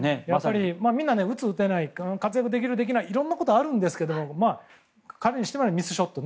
みんな打つ、打たない活躍できる、できないいろんなことあるんですけど彼にしてみたらミスショット。